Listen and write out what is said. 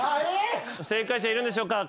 正解者いるんでしょうか？